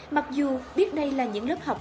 mặc dù biết đây là những lớp học